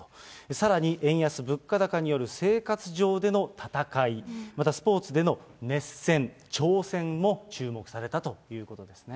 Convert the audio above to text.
さらに円安、物価高による生活上での戦い、またスポーツでの熱戦、挑戦も注目されたということですね。